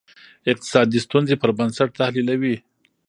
اقتصادي ستونزې پر بنسټ تحلیلوي.